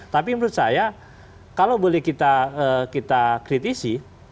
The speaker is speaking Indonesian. tapi menurut saya kalau boleh kita kritisi